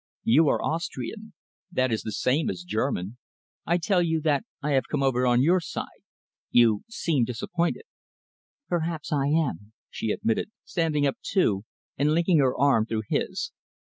"You are Austrian; that is the same as German. I tell you that I have come over on your side. You seem disappointed." "Perhaps I am," she admitted, standing up, too, and linking her arm through his.